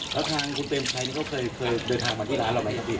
แล้วทางคุณเป็มชัยนี่เขาเคยเคยเดินทางมาที่ร้านเหรอไหมอย่างเงี้ย